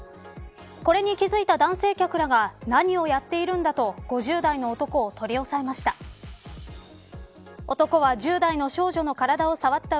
これに気付いた男性客らが何をやっているんだと５０代の男を取り押さえました。